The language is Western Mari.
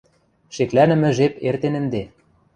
Шеклӓнӹмӹ жеп эртен ӹнде...